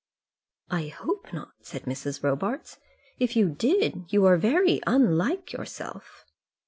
"I hope not," said Mrs. Robarts. "If you did, you were very unlike yourself."